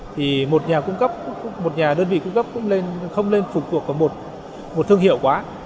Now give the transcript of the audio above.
thì một nhà đơn vị cung cấp cũng không nên phụ thuộc vào một thương hiệu quá